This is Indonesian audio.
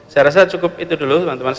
saya rasa cukup itu dulu